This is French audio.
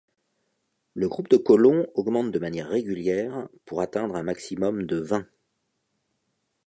Le groupe de colons augmente de manière régulière pour atteindre un maximum de vingt.